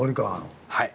はい。